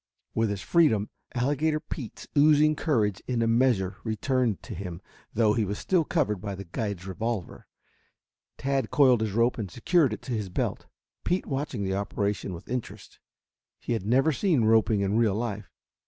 With his freedom, Alligator Pete's oozing courage in a measure returned to him, though he was still covered by the guide's revolver. Tad coiled his rope and secured it to his belt, Pete watching the operation with interest. He had never seen roping in real life.